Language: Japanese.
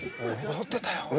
踊ってたよって。